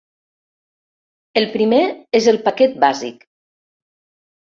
El primer és el paquet bàsic.